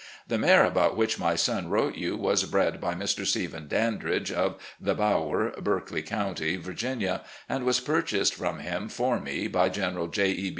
The mare about which my son wrote you was bred by Mr. Stephen Dandridge, of 'The Bower,' Berkeley County, Virginia, and was purchased from him for me by General J. E.